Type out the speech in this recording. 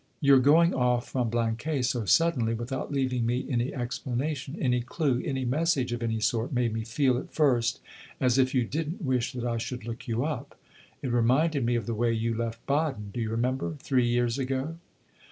"Your going off from Blanquais so suddenly, without leaving me any explanation, any clue, any message of any sort made me feel at first as if you did n't wish that I should look you up. It reminded me of the way you left Baden do you remember? three years ago."